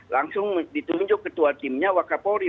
langsung ditunjuk ketua timnya waka polri